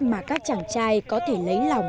mà các chàng trai có thể lấy lòng